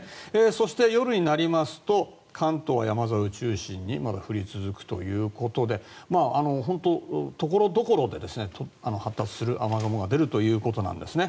そして夜になりますと関東の山沿いを中心に降り続くということで本当、ところどころで発達する雨雲が出るということなんですね。